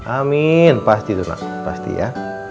amin pasti tuna pasti ya